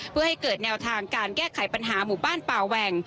เพื่อให้เกิดแนวทางการแก้ไขปัญหาหมู่บ้านป่าแหว่ง